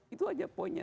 itu saja poinnya